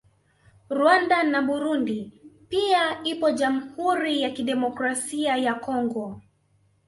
Rwanda na Burundi pia ipo Jamhuri Ya Kidemokrasia ya Congo